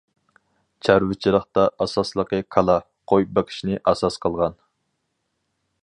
چارۋىچىلىقتا ئاساسلىقى كالا، قوي بېقىشنى ئاساس قىلغان.